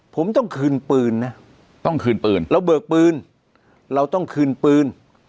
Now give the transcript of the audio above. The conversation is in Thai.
ผมต้องคืนปืนนะต้องคืนปืนเราเบิกปืนเราต้องคืนปืน